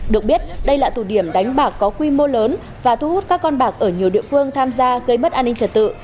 được biết đây là tụ điểm đánh bạc có quy mô lớn và thu hút các con bạc ở nhiều địa phương tham gia gây mất an ninh trật tự